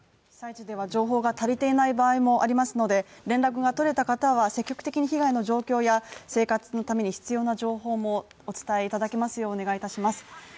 被災地では情報が足りていない場合もありますので、連絡が取れた方は積極的に被害の状況や生活のために必要な情報もお伝えいただきますようお願いいたします。